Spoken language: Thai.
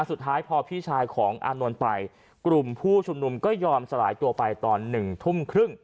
สุดท้ายพอพี่ชายของอานนท์ไปกลุ่มผู้ชุมนุมก็ยอมสลายตัวไปตอนหนึ่งทุ่มครึ่ง